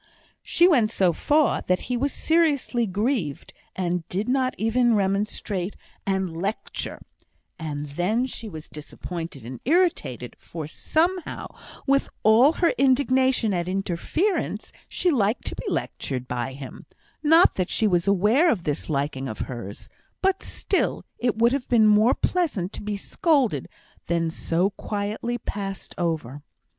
She went so far that he was seriously grieved, and did not even remonstrate and "lecture," and then she was disappointed and irritated; for, somehow, with all her indignation at interference, she liked to be lectured by him; not that she was aware of this liking of hers, but still it would have been more pleasant to be scolded than so quietly passed over.